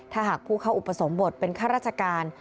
ถ้าหากผู้เข้าอุปสมบทเป็นข้าราชการ